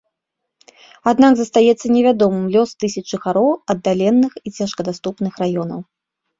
Аднак застаецца невядомым лёс тысяч жыхароў аддаленых і цяжкадаступных раёнаў.